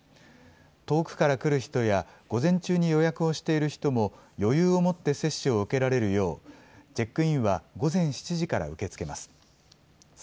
遠くから来る人や、午前中に予約をしている人も、余裕を持って接種を受けられるよう、チェックインは午前７時から受け付けます。